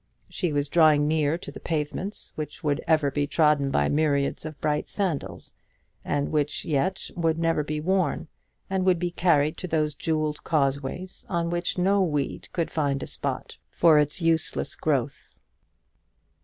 She was drawing near to the pavements which would ever be trodden by myriads of bright sandals, and which yet would never be worn, and would be carried to those jewelled causeways on which no weed could find a spot for its useless growth.